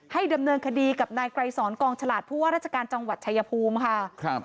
ดำเนินคดีกับนายไกรสอนกองฉลาดผู้ว่าราชการจังหวัดชายภูมิค่ะครับ